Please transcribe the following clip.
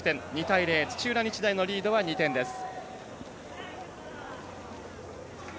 ２対０土浦日大のリードは２点です。